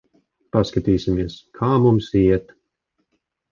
Paskatīsimies, kā mums iet.